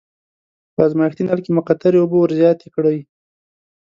په ازمایښتي نل کې مقطرې اوبه ور زیاتې کړئ.